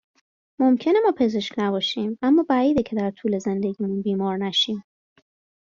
ممکنه ما پزشک نباشیم اما بعیده که در طول زندگیمون بیمار نشیم.